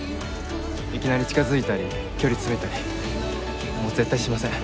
いきなり近づいたり距離詰めたりもう絶対しません。